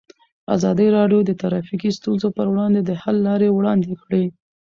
ازادي راډیو د ټرافیکي ستونزې پر وړاندې د حل لارې وړاندې کړي.